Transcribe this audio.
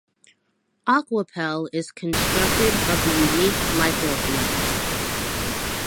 Aquapel is constructed of a unique Lycra blend.